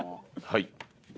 はい。